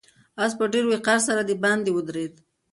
آس په ډېر وقار سره د باندې ودرېد.